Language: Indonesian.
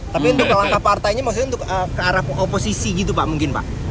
tapi untuk langkah partainya maksudnya untuk ke arah oposisi gitu pak mungkin pak